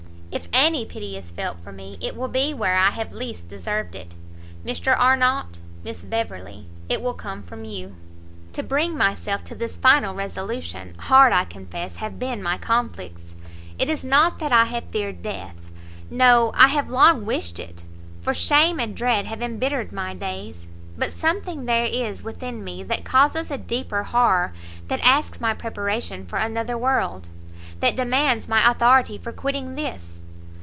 If any pity is felt for me, it will be where I have least deserved it! Mr Arnott Miss Beverley! it will come from you! To bring myself to this final resolution, hard, I confess, have been my conflicts; it is not that I have feared death, no, I have long wished it, for shame and dread have embittered my days; but something there is within me that causes a deeper horror, that asks my preparation for another world! that demands my authority for quitting this!